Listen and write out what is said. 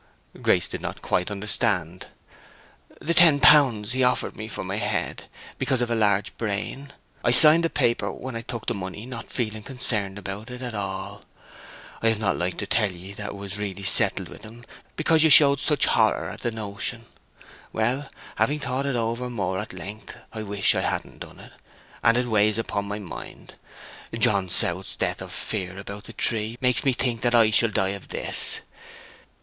Grace did not quite understand. "The ten pounds he offered me for my head, because I've a large brain. I signed a paper when I took the money, not feeling concerned about it at all. I have not liked to tell ye that it was really settled with him, because you showed such horror at the notion. Well, having thought it over more at length, I wish I hadn't done it; and it weighs upon my mind. John South's death of fear about the tree makes me think that I shall die of this....